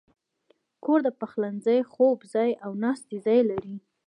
کور د پخلنځي، خوب ځای، او ناستې ځای لري.